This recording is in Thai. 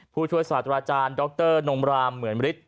ผู้ช่วยศาสตราจารย์ดรนมรามเหมือนมฤทธ